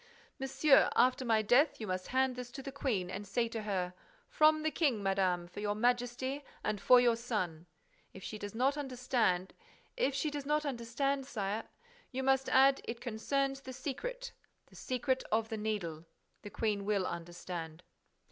"Monsieur, after my death, you must hand this to the Queen and say to her, 'From the King, madame—for Your Majesty and for your son.' If she does not understand—" "If she does not understand, sire—" "You must add, 'It concerns the secret, the secret of the Needle.' The Queen will understand."